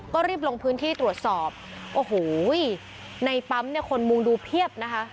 ก็รีบลงพื้นที่ตรวจสอบโอ้โหในปั๊มเนี่ยคนมุงดูเพียบนะคะ